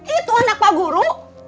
itu anak pak guru